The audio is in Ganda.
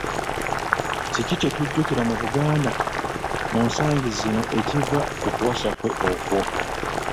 Kiki kye tujjukira mu Buganda mu nsangi zino ekiva ku kuwasa kwe okwo?